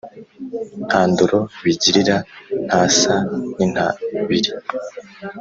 nta ndoro bigirira. ntasa n’intabire